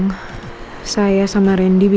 saya sama rendy bisa nemuin majalah yang berbeda bu